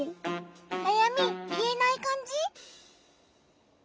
なやみいえないかんじ？